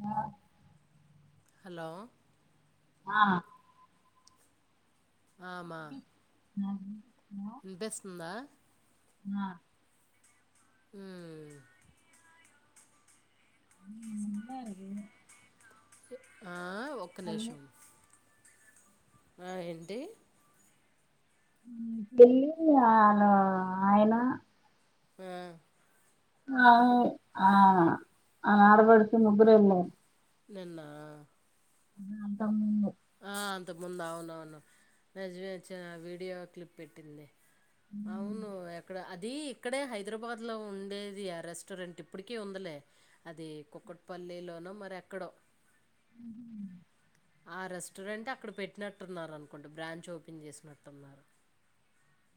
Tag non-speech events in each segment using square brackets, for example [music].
ఆ హలో ఆ ఆ మా ఆ ఉమ్ బెస్నేదా ఆ ఉమ్ ఉమ్ ఉండారు ఆ ఒక్క నిమిషం ఆ ఏంటి వెళ్ళి అను ఆయన ఉమ్ ఆ ఆ ఆరబడుకి ముగ్గురే నిన్న అ అంతా ముందు ఆ అంత ముందు అవున అవును నిజమచ్చిన వీడియో క్లిప్ పెట్టింది అవును ఎక్కడ అ ఇది ఇక్కడే హైదరాబాద్ లో ఉండేది ఆ రెస్టారెంట్ ఇప్పటిక ఉందలే అది కుక్కట్పల్ ిల్లీలోనో మరి ఎక్కడో [unintelligible] [inaudible] ఆ రెస్టారెంట్ అక్కడ పెట్టినట్టున్నారు అనుకుంటే బ్రాంచ్ ఓపెన్ చేసినట్టున్నారు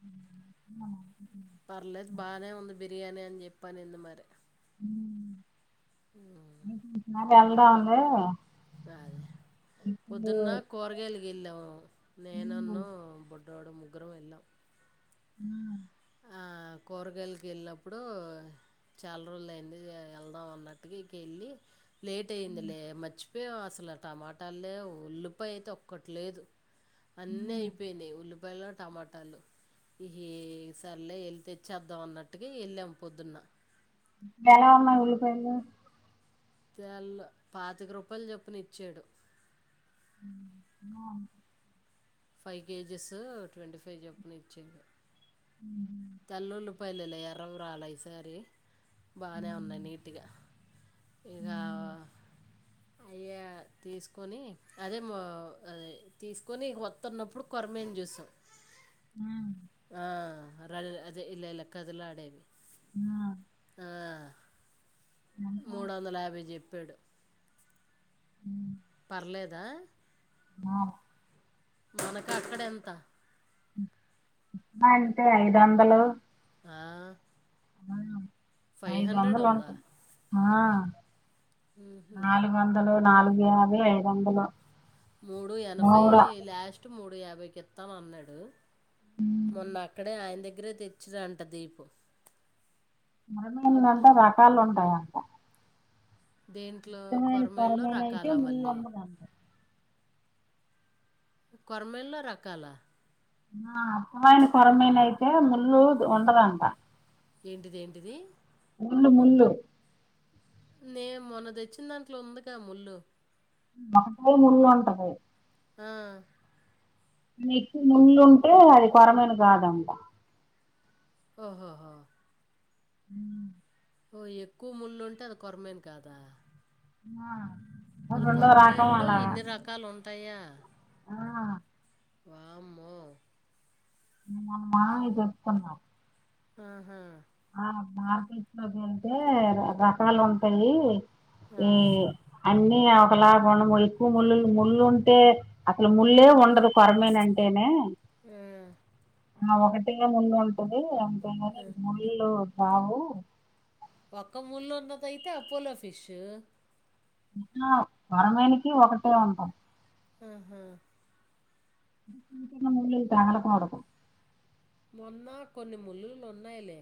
అ జెప్పన్ ఎ మర అళద ఉంది పొద్దున్న కూరగాయలకి వెళ్ళాము ఇప్పుడు నేనన్ను బు ముగ్గురూము ఎలాం ఉ కూరగాయలకి వెళ్ళినప్పుడు చాలా రోజులు అయడి వెళ్దాం అన్నట్టుకి ఇక వెళ్ళి లేట్ అయింది లే మర్చిపో అసలు టమాట లేవ్ ఉల్లిపాయ అయితే ఒక్కటి లేదు అన్నీ అయిపోయినాయి ఉల్లిపాయలు టమాటాలు ఈ సర్లే వెళ్ళి తెచ్చేద్దాం అన్నట్టుకి వెళ్ళాము పొద్దున్న ఎలా ఉన్నాయ్ ఉల్లిపాయలు తెలో పాతిక రూపాయలు చొప్పున ఇచ్చాడు ఆ ఫైవ్ కేజెస్ ట్వంటీ ఫైవ్ చప్పున ఇచ్చేది ఉ తల్లుళ్లు పల్లెల ఎరవు రాల ఈసారి బాగానే ఉన్నాయి నీట్గా ఇక అయ తీసుకొని అదేద తీసుకొని వత్త ఉన్నప్పుడు కరిమేను చ్యూసా ఆ ర అదే ఇలా ఇలా కదిలా ఆడేవి ఆ ఎంత మూడు వందల యాభై చెప్పాడు ఉ పర్లేదా ఆ మనక అక్కడ ఎంత అంటే ఐదు వందలు ఆ ఫైవ్ ఐదు హండ్రెడ్ వందలు ఉందా ఉంటది ఆ నాలుగు వందలు నాలుగు వభ ఐదు వందలు మూడు ఎనభై మూడ లాస్ట్ మూడు యాభైకి ఇస్తాం అన్నాడు హ్మ్ మొన్న అక్కడే ఆయన దగ్గరే తెచ్చిినంట దీపు మరమలు అబ్బా అంటే రకాలు ఉంటాయా దేంట్లో అచ్చమైన కొరమేల్లో కొరమీను అయితే రకాల ముళ్ళు మళ్ళీ ఉండదంట కొరమేల్లో రకాల ఆ అత్తమాయిన కొరమైన అయితే ముళ్ళు ఉండదంట ఏంటిది ఏంటిది ముళ్ళు ముళ్ళు నే మొన్న తెచ్చిన దాంట్లో ఉందిగా ముళ్ళు మట మున్నంటద ఆ నీకు ముళ్ళు ఉంటే, అది కొరమీను గాదంట. ఓ హో హో. ఉమ్. ఓ ఎక్కువ ముళ్ళు ఉంటే, అది కొరమీను కాదా. ఉమ్ ఆ. ఓ అసల్ రెండో రకం కొరమిన్లో, అలాగా ఇన్ని రకాల్ ఉంటాయా. ఆ వామ్మో. మా వి జెప్కున్నాం. ఆహా. ఆ మార్కట్ లోకి, ఎళ్తే రకాల్ ఉంటాయి. ఆ, ఏ అన్నీ, ఆ ఒకలాగా [unintelligible] ఎక్కువ ముళ్ళుల్ ముళ్ళులు ఉంటే, అసలు ముళ్ళే ఉండదు కొరమీను అంటేనే. ఉమ్. ఆ ఒకటేగా ముళ్ళు ఉంటది, అంతేగాని ముళ్ళు రావు. ఒక్క ముళ్ళు ఉన్నదైతే, అపోలో ఫిష్. ఆ కోరమీనుకి ఒకటే ఉంటాద్. ఉహు. చిన్న చిన్న ముళ్ళుంటాయి. [unintelligible] మొన్న కొన్ని ముళ్ళులు, ఉన్నాయిలే.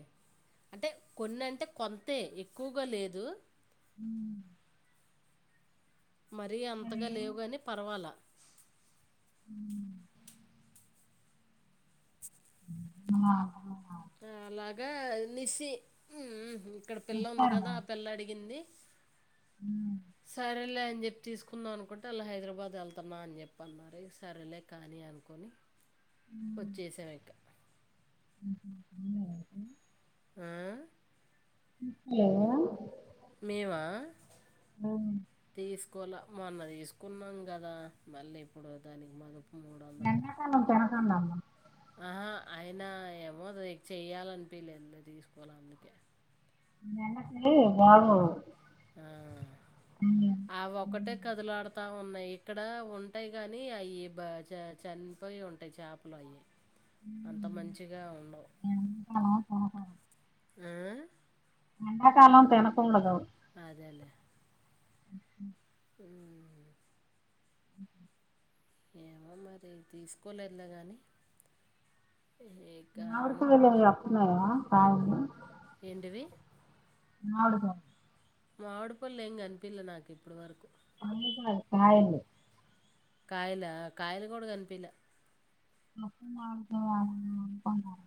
అంటే కొన్ని అంటే కొంతే, ఎక్కువగా లేదు. ఉమ్. మరీ మరి అంతగా లేవ్ గాని, పర్వాలా. ఉమ్మ్. ఆ. [inaudible] ఆ అలాగే నిస్సి, ఉమ్ ఇక్కడ పిల్ల ఉంది తెచ్చారు గదా, మరి ఆ పిల్ల అడిగింది. సర్లే అన్, అని జెప్ తీసుకుందాం అనుకుంటే, అళ్ళు హైదరాబాద్ ఎళ్తున్నా అని జేప్పి అన్నారు. ఇగ సరేలే కాని అనుకోని. ఓచ్చేసామ్ ఇక. ఆ. [inaudible] మేమా, ఉమ్. తీస్క్ కోలా, మొన్న దీసుకున్నాం గదా, మళ్ళీ ఎప్పుడో దానికి మ [unintelligible] ఎండాకాలం తినకండమ్మ. ఆహా, అయినా ఏమో లే చేయ్యాలనిపిలేదు ఇంగ తీసుకోలా, అందుకే. [unintelligible] బాగోద్. ఆ, ఆవోక్కటే కదులాడ్త్ తా ఉన్నాయి. ఇక్కడ ఉంటాయి గాని అయ్యి బా చా చా చనిపోయి ఉంటాయి, చేపలు అయ్యి. అంత మంచిగా ఉండవ్. ఎండాకాలం తినకూడదు ఉమ్ ఎండాకాలం తినా కుండదు. అదేలేే. ఉహు. ఉమ్. అ ఏమో మరి, తీసుకోలేద్లే గనీ. ఆ మామిడిపళ్ళు, అవి అస్తున్నాయి గదా కాయలు. డివి. మామిడిపళ్. మామిడి పళ్ళు ఏం గనిపియ్యలే, నాకు ఇప్పుడ్ వరకు. పళ్ళు కాదు, కాయలు. కాయలా, కాయల్ గుడా గన్పిలా. పచ్చి మామిడి పళ్ళు అమ్ముతున్నారు.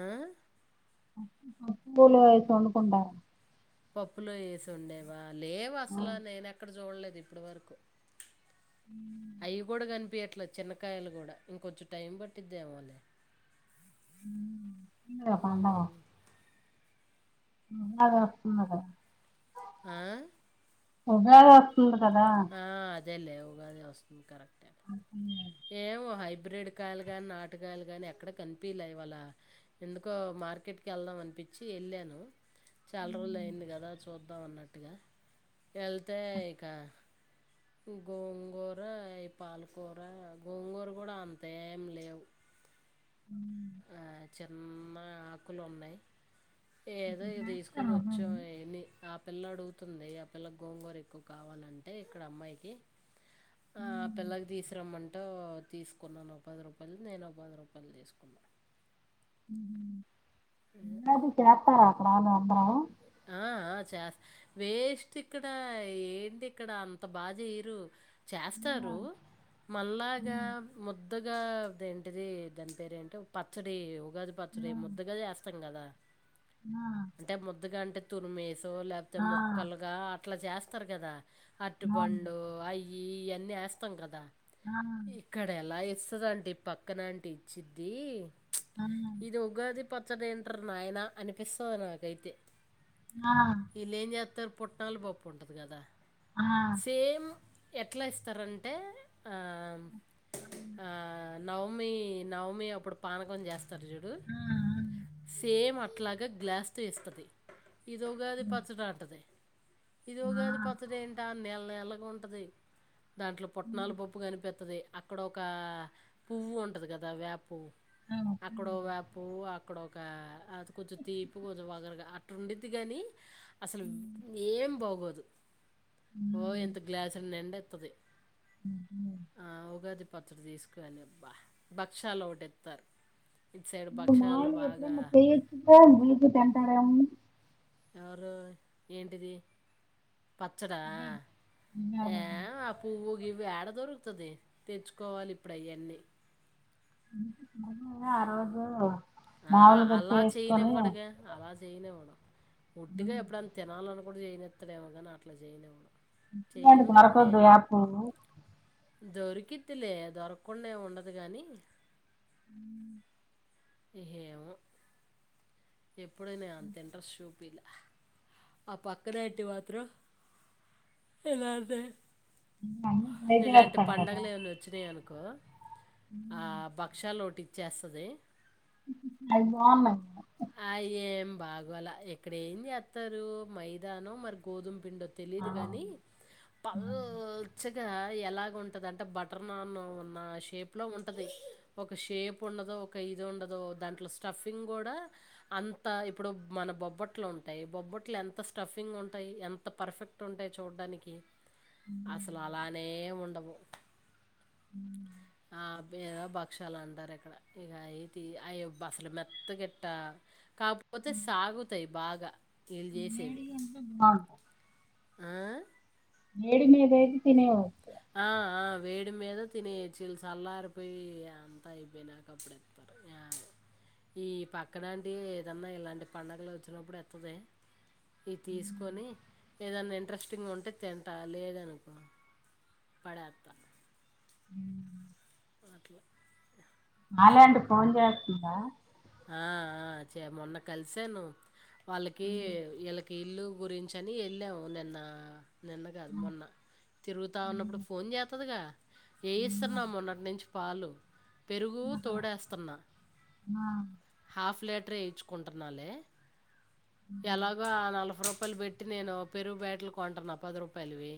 ఆ పప్పు పప్పులో వేసి వండుకుంటారు పప్పులో వేసి వండేవా లేవు అసలు నేను ఎక్కడ చూడలేదు ఇప్పటి వరకు అయి కూడా కని పీట్లో చిన్నకాయలు కూడా ఇంకొంచెం టైం పట్టిందేమోలే దా పండగ పండగ వస్తుందిగా ఆ ఉగాది వస్తుంది కదా ఆ, అదేలే ఉగాది వస్తుంది కరెక్టే అప్పుడు ఏమో హై బ్రిడ్ కాయలు గాని నాటుకాయలు గాని ఎక్కడ కనిపిలే ఇవాళ ఎందుకో మార్కెట్ కేళ్దాం అనిపిించ చ్చి ఎళ్ళాను చాలా రోజులు అయింది కదా చూద్దాం అన్నట్టుగా వెళ్తే ఇక గోంగూర ఈ పాలకూర గోంగూర కూడా అంత ఏం లేవు ఆ చిన్న ఆకులు ఉన్నాయి ఏదో ఇక తీసుకొని చేస్తారు వచ్చాం ఉగాది ఆయన్ని ఆ పిల్లాడు తుంది ఆ పిల్ల గోంగూర ఎక్కువ కావాలంటే ఇక్కడ అమ్మాయికి ఆ పిల్లకి తీసురమ్మంటూ తీసుకున్నాను ఒ పది రూపాయలుది నేను ఒక పది రూపాయలుది తీసుకున్నా పండగ చేతారా అక్కడ మీ [unintelligible] ఆ ఆ చేస్తా వేస్ట్ ఇక్కడ ఏంటి ఇక్కడ అంత బాగా చేయరు ఆ చేస్తారు మల్లాగా ఉమ్, ముద్ ద్దగా ఏంటిది దాని పేరేంటి పచ్చడి ఉగాది పచ్చడి ఆ, ముద్దగా చేస్తాం కదా అంటే ముద్దుగా అంటే తురిమేసో లేకపోతే ఆ, ఆ, ముక్కలుగా అట్లా చేస్తారు కదా అవును అటిపండు అయి ఇవన్నీ వేస్తాం కదా ఆ ఇక్కడ ఎలా ఇస్తుదంటడి పక్కన అంటి ఇచ్చిద్ది ఆ ఇది ఉగాది పచ్చడి ఏంట్ర నాయన అనిపిస్తది నాకైతే ఇళ్ళు ఏం చేస్తారు పుట్టనలు పప్పు ఉంటది కదా ఆ ఆ సేమ్ ఎట్లా ఇస్తారంటే ఆ ఆ ఆ నవమి నవమి అప్పుడు పానకం చేస్ స్తారు చూడు ఆ సేమ్ అట్లాగా గ్లాస్ తో ఇస్తది ఇది ఉగాది ఉమ్, పచ్చడి అంటది ఇది ఆ ఉగాది పచ్చడి ఏంట నీళ్ల నీళ్లగా ఉంటది దాంట్లో పుట్నాల ఉమ్, పప్పు కనిపిత్తది అక్కడ ఒక పువ్వు ఉంటది కదా వేప పువ్వు ఆ, అక్కడా ఉమ్, ఒక పువ్వు ఆ అక్కడ ఒక అది కొంచెం తీపు కొంచెం వగరగా అట్ ఉండిది గాని అసలు ఉమ్, ఏం బాగోదు ఓ ఉమ్, ఇంత గ్లాసుడు నిండ ఇత్తది ఉమ్ హ్మ్ పచ్చడి తీసుకో అని బా భక్షాలు ఒకటిెతారు ఇటు సైడ్ నువ్వు భక్షాలు బాగా [unintelligible] చేయొచ్చుగా స్వీట్ తింటారని ఎవరు ఏంటిది పచ్చడా ఇదే, ఇదే ఏ అదే. ఆ పూవు గీవు ఎడ దొరుకుతాది తెచ్చుకోవాలి ఇప్పుడు అవన్నీ [inaudible] అరోజు ఆ అలా చేయనివ్వడుగా అలా చేయనివ్వడు ఉట్టిగా ఎప్పుడైనా తినాలనుకో నపుడు చేయనిత్తడేమో కానీ అట్లా చేయనివ్వడు ఇలాంటివి చెయ్యను దొరకొద్దూ యాపు దొరికితిలే దొరకుండా ఏం ఉండదు గానీ హు ఏహేవో ఎప్పుడైనా అంత ఇంట్రెస్ట్ శుపియలే ఆ పక్కన ఆంటీ మాత్రం ఎలారదే హు అన్ హైది హెచ్ కాడ కదా కో ఆ భక్షాలు ఒటి ఇచ్చేసది అవి బావున్నాయ్ గదా అయ్ ఏం బాగోలా ఇక్కడ ఏం ఏతారు మైదానో మరి గోధుమ్ పిండో ఆ తెలీదు గాని పాల్ చ్చే గా ఎలాగుంటదనే బటర్ నాన్ ఉన్న షేప్ లో ఉంటది. ఒక షేప్ ఉండదు ఒక ఇది ఉండదు. దాంట్లో స్టఫింగ్ గూడా అంత ఇప్పుడు మన బొబ్బట్లు ఉంటాయ్, బొబ్బట్లు ఎంత స్టఫింగ్ ఉంటాయి. ఎంత పర్ఫెక్ట్ టుట్ ఉంటాయి చూడ్డానికి అసలు అలానే ఉండవు. హుహ్ ఆ బేదో భక్షాలు అంటారు ఇక్కడ ఇగా అయితి అవి అసలు మెత్త గిట్టా కాపోతే సాగుతాయి బాగా ఇల్ జేసేవి. బాగుంటాయి ఆ వేడి మీదైతే తినేవ్ ఆ ఆ వేడి మీద తిన్నాయొచ్చు. ఇల్ సల్లారిపోయి అంతా అయిపోయినాక అప్పుడు ఇత్తర్ యాయ్ ఈ పక్కన ఆంటీ ఏదన్నా ఇలాంటి పడుగలు వచ్చినప్పుడు ఇత్తంది ఇది తీసుకొని ఏదన్నా ఇంట్రెస్టింగ్ ఉంటే తింటా లేదనుకో పడేతా హుహ్ ఓట్లా మల్ ఏంటి పోన్ జేసుందా. ఆ ఆ చే మొన్న కలిసాను వాళ్ళకి ఇళ్ళకి ఇల్లు గురించి అని ఏళ్ళావు నిన్న నిన్న కాదు మొన్న తిరుగుతా మీ ఉన్నప్పుడు ఫోన్ చేతదిగా ఏయిస్తున్నా మొన్నటి నుంచి పాలు పెరుగు తోడేస్తున్నా హాఫ్ లీటర్ ఏయించుకుంటున్నాలే ఎలాగో ఆ నాఫై రూపాయలు పెట్టి నేను పెరుగు ప్యాకెటులు కొంటాన్నా పది రూపాయలువి.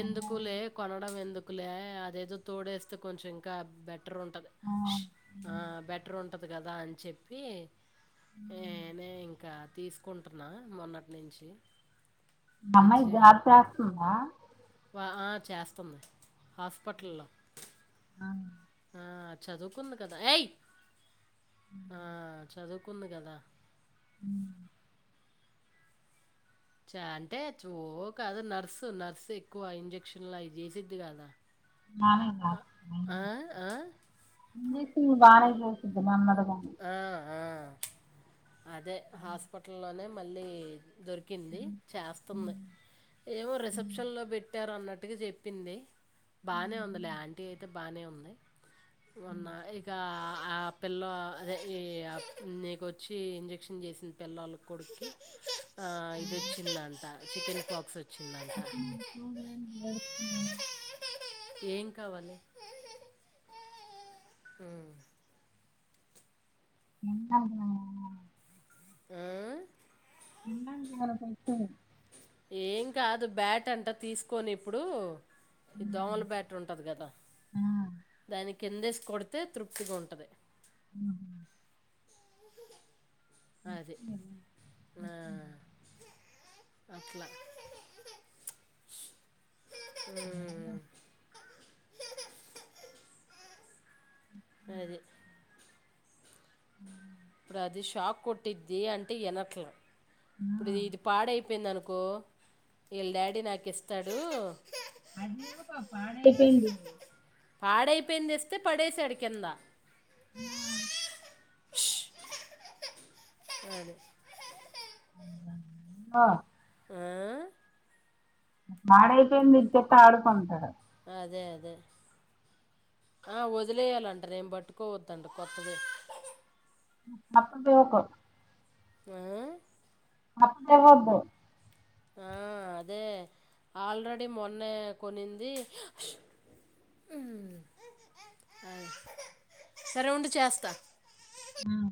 ఎందుకులే కొనడం ఎందుకులే అదేదో తోడేస్తే కొంచెం ఇంకా బెట్ట ట్రూంటది. ఆ బెటర్ ఉంటది కదా అని చెప్పి ఏనే ఇంకా తీసుకుంటున్నా మొన్నటి నుంచి మమై తెచ్చి గర్చ్ చేస్తుందా వా ఆ చేస్తుంది హాస్పిటల్లో ఆ చదువుకుంది కదా ఏయ్. ఆ చదువుకుంది కదా ఉహ్ చ అంటే జోక్ అద్ నర్సు నర్సు ఎక్కువ ఇంజక్షన్లు అయి జేసిద్ది గదా ఆ? ఏం జేసుండు బానే జూసింది మన్మడు ఆ ఆ అదే హాస్పిటల్లోనే మళ్ళీ దొరికింది నెమ్మదిగానే చాస్తుంది. ఏమో రిసెప్షన్ లో బేట్టారు అన్నట్టు ఇగా జేప్పింది బానే ఉంది లే, ఆంటీ అయితే బానే ఉంది. ఉన్నా ఇకా ఆ పిల్లో అదే ఈ నీకొచ్చి ఇంజక్షన్ చేసింది. పిల్లళ కొడుక్కి ఆ ఇదోచ్చిందంట చికెన్ ఫాక్స్ వో హుహూ రే ఏడుస్తుందే ఏం కావాలి హు [unintelligible] న్నదా ఆ దిన్నం జేయాల వైపై ఏం కాదు బ్యాట్ అంటా తీసుకొని ఇప్పుడు ఈ దోమలు బ్యాట్ ఉంటది కదా దాని కిందేసి కొడితే తృప్తిగా ఉంటది మ్మ్ హు అది ఆ అట్ల ప్చ్ ష్ హుమ్ అది మ్మ్ హ్మ్ ప్రది షాక్ కొట్టిద్ది అంటే వినట్ల ఇప్పుడు ఇది పాడైపోయింది అనుకో వీళ్ళ డాడీ నాకు ఇస్తడు అదే రూపా పాడైపోయింది పాడైపోయింది తెస్తే పడేసాడు కిందా ఆ సరే మ్మ్ ఆ ఆ? పాడైపోయింది ఇచ్చేత్తే ఆడుకుంటడు అదే అదే ఆ వదిలేయాలంట నేను పట్టుకోవద్దంట కొత్తది అప్పు బోకు ఆ అప్పు దేవద్దు ఆ అదే ఆల్రెడీ మొన్నే కొన్నింది హ్మ్ సరే ఉండు చేస్తా హ్మ్